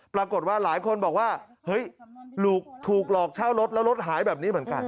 ปรากฏว่าหลายคนบอกว่าเฮ้ยลูกถูกหลอกเช่ารถแล้วรถหายแบบนี้เหมือนกัน